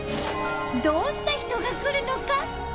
どんな人が来るのかキニナル！